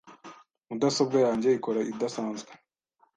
Mudasobwa yanjye ikora idasanzwe .